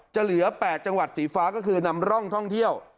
เหลือ๘จังหวัดสีฟ้าก็คือนำร่องท่องเที่ยว